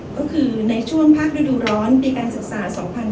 ก็คือในช่วงภาคฤดูร้อนในการศึกษา๒๕๖๒